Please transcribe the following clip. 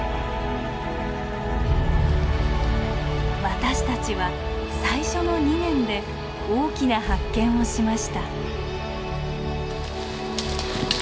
私たちは最初の２年で大きな発見をしました。